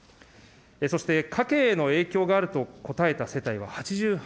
そして家計への影響があると答えた世帯は８８％。